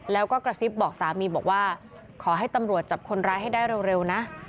แล้วก็กระซิบบอกสามีบอกว่าขอให้ตำรวจจับคนร้ายให้ได้เร็วนะ